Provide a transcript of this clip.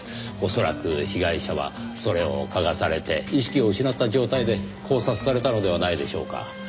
恐らく被害者はそれを嗅がされて意識を失った状態で絞殺されたのではないでしょうか。